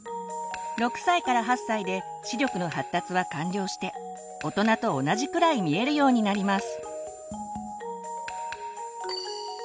６歳から８歳で視力の発達は完了して大人と同じくらい見えるようになります。